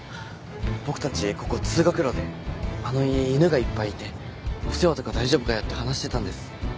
僕たちここ通学路であの家犬がいっぱいいてお世話とか大丈夫かよって話してたんです。